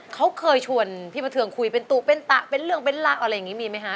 เขาเคยชวนพี่บันเทิงคุยเป็นตุเป็นตะเป็นเรื่องเป็นรักอะไรอย่างนี้มีไหมคะ